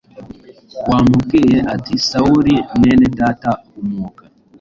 wamubwiye ati: “Sawuli, Mwenedata, humuka”